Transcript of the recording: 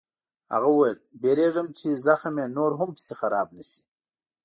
هغه وویل: وېرېږم چې زخم یې نور هم پسې خراب نه شي.